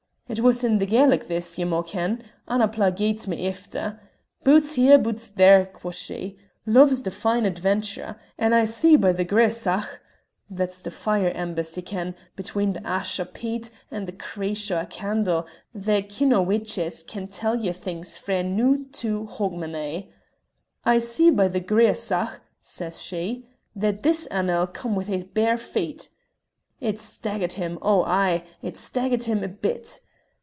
It was in the Gaelic this, ye maun ken; Annapla gied me't efter. 'Boots here, boots there,' quo' she, 'love's the fine adventurer, and I see by the griosach' (that's the fire embers, ye ken; between the ash o' a peat and the creesh o' a candle thae kin' o' witches can tell ye things frae noo to Hogmanay) ' I see by the griosach,' says she, 'that this ane'll come wi' his bare feet.' It staggered him; oh, ay! it staggered him a bit.